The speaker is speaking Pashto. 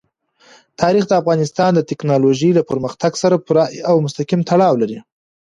تاریخ د افغانستان د تکنالوژۍ له پرمختګ سره پوره او مستقیم تړاو لري.